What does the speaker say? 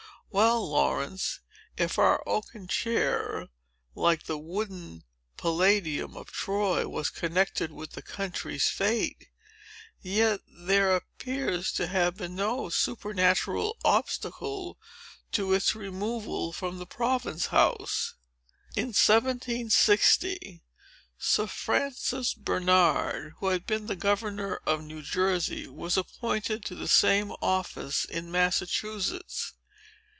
"Well, Laurence, if our oaken chair, like the wooden Palladium of Troy, was connected with the country's fate, yet there appears to have been no supernatural obstacle to its removal from the Province House. In 1760, Sir Francis Bernard, who had been governor of New Jersey, was appointed to the same office in Massachusetts.